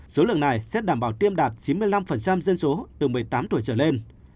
số lượng này sẽ đảm bảo tiêm đạt chín mươi năm dân số từ một mươi tám tuổi trở lên